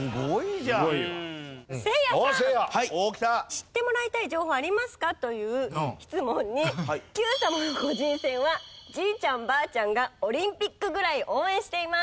「知ってもらいたい情報ありますか？」という質問に『Ｑさま！！』の個人戦はじいちゃんばあちゃんがオリンピックぐらい応援しています。